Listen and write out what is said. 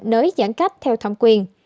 nới giãn cách theo thẩm quyền